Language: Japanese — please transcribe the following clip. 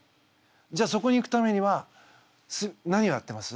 じゃあそこに行くためには何をやってます？